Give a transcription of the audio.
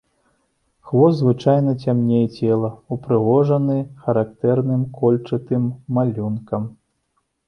Хвост звычайна цямней цела, упрыгожаны характэрным кольчатым малюнкам.